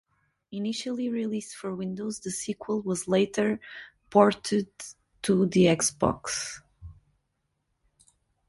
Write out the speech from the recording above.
Initially released for Windows, the sequel was later ported to the Xbox.